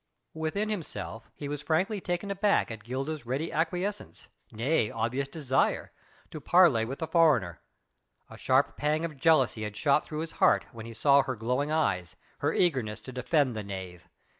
Within himself he was frankly taken aback at Gilda's ready acquiescence nay obvious desire to parley with the foreigner. A sharp pang of jealousy had shot through his heart when he saw her glowing eyes, her eagerness to defend the knave.